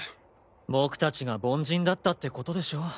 僕達が凡人だったって事でしょ。